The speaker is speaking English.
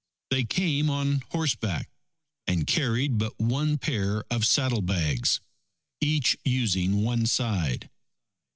They came on horseback, and carried but one pair of saddlebags, each using one side.